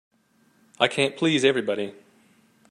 I can't please everybody.